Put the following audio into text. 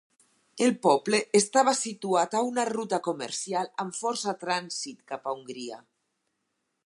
El poble estava situat a una ruta comercial amb força trànsit cap a Hongria.